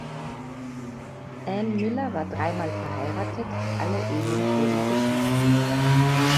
Ann Miller war dreimal verheiratet, alle Ehen wurden geschieden.